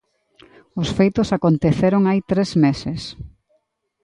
Os feitos aconteceron hai tres meses.